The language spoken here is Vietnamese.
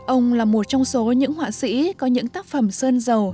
ông là một trong số những họa sĩ có những tác phẩm sơn dầu